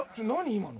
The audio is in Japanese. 今の。